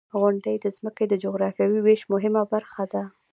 • غونډۍ د ځمکې د جغرافیوي ویش مهمه برخه ده.